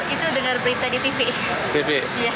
itu dengar berita di tv